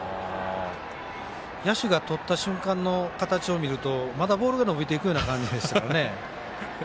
野手がとった瞬間の形を見るとまだボールが伸びていくような感じですよね。